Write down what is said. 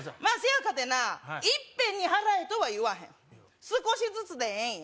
まあせやかてないっぺんに払えとは言わへん少しずつでえ